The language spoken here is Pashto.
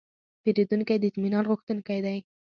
پیرودونکی د اطمینان غوښتونکی دی.